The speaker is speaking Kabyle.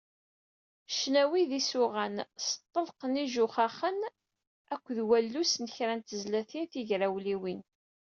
Ccnawi d yisuɣan s ṭṭelq n yijaxuxen akked wallus n kra n tezlatin tigrawliwin.